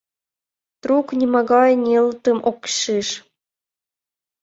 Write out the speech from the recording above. Трук нимогай нелытым ок шиж.